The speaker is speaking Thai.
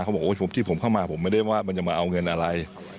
บอกว่าที่ผมเข้ามาผมไม่ได้ว่ามันจะมาเอาเงินอะไร